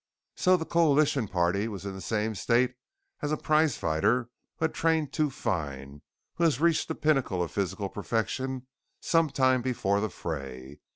So the coalition party was in the same state as a prize fighter who has trained too fine; who has reached the pinnacle of physical perfection some time before the fray.